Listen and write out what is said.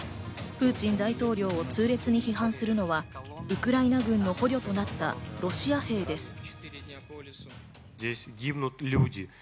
プーチン大統領を痛烈に批判するのはウクライナ軍の捕虜となったロシア兵です。